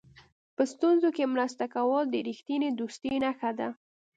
په ستونزو کې مرسته کول د رښتینې دوستۍ نښه ده.